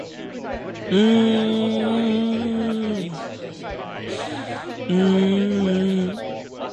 The book was later republished by Soft Skull Press.